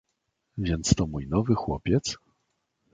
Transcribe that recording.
"„Więc to mój nowy chłopiec?"